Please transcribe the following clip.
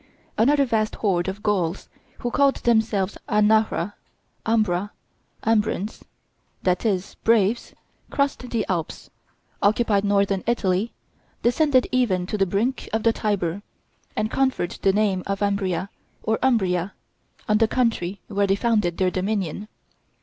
another vast horde of Gauls, who called themselves Anahra, Ambra, Ambrons, that is, "braves," crossed the Alps, occupied northern Italy, descended even to the brink of the Tiber, and conferred the name of Ambria or Umbria on the country where they founded their dominion.